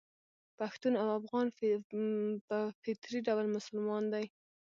پښتون او افغان په فطري ډول مسلمان دي.